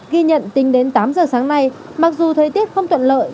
ghi nhận tính đến tám giờ sáng nay mặc dù thời tiết không thuận lợi